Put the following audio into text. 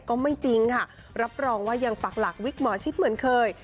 ก็ไม่จริงค่ะรับรองว่ายังปักหลักวิกหมอชิดเหมือนเคย